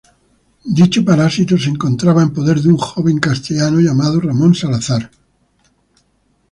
Dicho parásito se encontraba en poder de un joven castellano llamado Ramón Salazar.